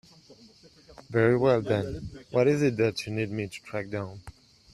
Very well then, what is it that you need me to track down?